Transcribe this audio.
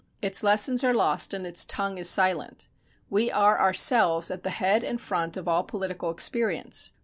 Its lessons are lost and its tongue is silent. We are ourselves at the head and front of all political experience.